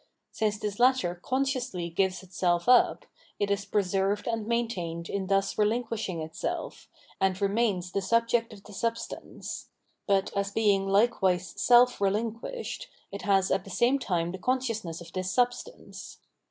Since this latter consciously gives itself up, it is preserved and maintained in thus relinquishing itself, and remains the subject of the substance ; but as being likewise ^^// relinquished, it has at the same time the con sciousness of this substance.